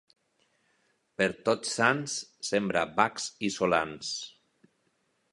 Per Tots Sants sembra bacs i solans.